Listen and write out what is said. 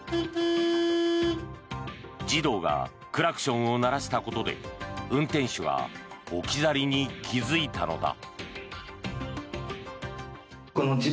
児童がクラクションを鳴らしたことで運転手が置き去りに気付いたのだ。